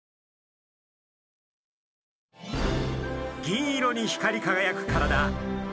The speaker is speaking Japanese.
銀色に光りかがやく体。